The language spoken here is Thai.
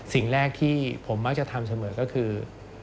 สิ่งแรกที่ผมมักจะทำเสมอก็คือ